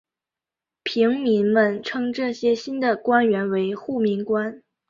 平民们称这些新的官员为护民官。